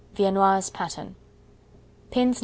Viennoise Pattern. Pins No.